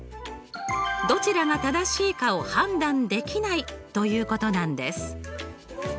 どちらが正しいかを判断できないということなんです。